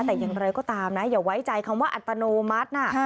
แต่อย่างไรก็ตามนะอย่าไว้ใจคำว่าอัตโนมัตินะ